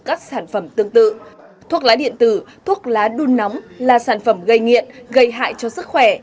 các sản phẩm tương tự thuốc lá điện tử thuốc lá đun nóng là sản phẩm gây nghiện gây hại cho sức khỏe